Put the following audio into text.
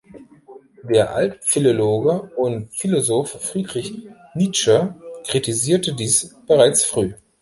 Der Altphilologe und Philosoph Friedrich Nietzsche kritisierte dies bereits früh.